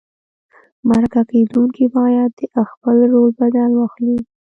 مرکه کېدونکی باید د خپل رول بدل واخلي.